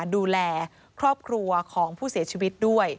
ดูแลครอบครัวของผู้เสียชีวิตด้วย